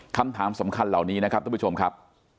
คำถามสำคัญเหล่านี้นะครับท่านผู้ชมครับ